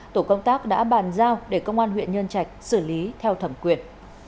tổ công tác đã bàn giao để công an huyện nhân trạch xử lý theo thẩm quyền